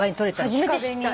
初めて知った。